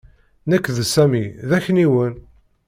Nekk d Sami d akniwen.